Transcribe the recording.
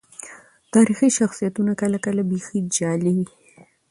تاريخي شخصيتونه کله کله بيخي جعلي وي.